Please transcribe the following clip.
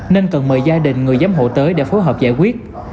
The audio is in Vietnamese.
nên cần mời gia đình người giám hộ tới để phối hợp giải quyết